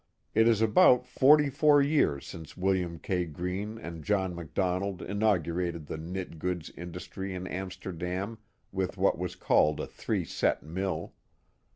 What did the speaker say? It is about forty four years since William K. Greene and John McDonald inaugurated the knit goods industrj' in Am sterdam, with what was called a three set mill.